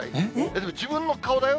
でも自分の顔だよ。